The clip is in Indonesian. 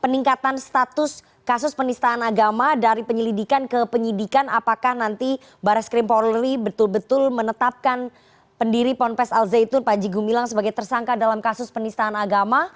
peningkatan status kasus penistaan agama dari penyelidikan ke penyidikan apakah nanti baris krim polri betul betul menetapkan pendiri ponpes al zaitun panji gumilang sebagai tersangka dalam kasus penistaan agama